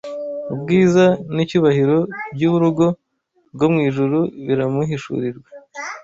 Ubwiza n’icyubahiro by’urugo rwo mu ijuru biramuhishurirwa